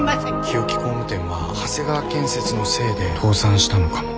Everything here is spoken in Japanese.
日置工務店は長谷川建設のせいで倒産したのかも。